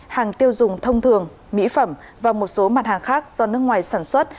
hàng tiêu dùng thông thường mỹ phẩm và một số mặt hàng khác do nước ngoài sản xuất